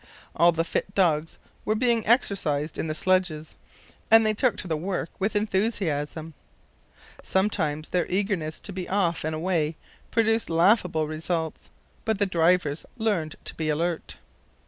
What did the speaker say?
All the fit dogs were being exercised in the sledges, and they took to the work with enthusiasm. Sometimes their eagerness to be off and away produced laughable results, but the drivers learned to be alert.